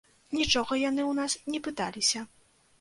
Нічога яны ў нас не пыталіся.